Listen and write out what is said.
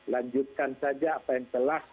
lanjutkan saja apa yang telah